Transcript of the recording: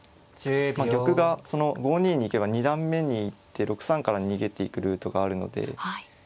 玉がその５二に行けば二段目に行って６三から逃げていくルートがあるので。